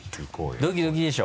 ドキドキでしょ？